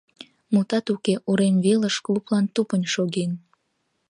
Мутат уке, урем велыш, клублан тупынь шоген.